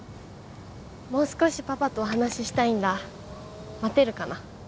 もう少しパパとお話したいんだ待てるかな？